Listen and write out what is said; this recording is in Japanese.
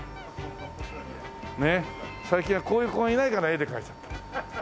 最近はこういう子がいないから絵で描いちゃった。